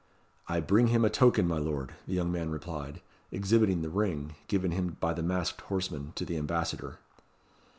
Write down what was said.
"I bring him a token, my lord," the young man replied, exhibiting the ring, given him by the masked horseman, to the ambassador.